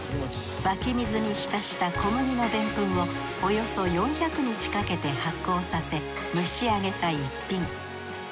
湧き水に浸した小麦のデンプンをおよそ４００日かけて発酵させ蒸しあげた逸品。